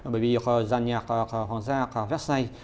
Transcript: bởi vì giàn nhạc hoàng gia vecchiai